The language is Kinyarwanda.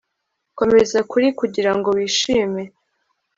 komeza kuri kugirango wishime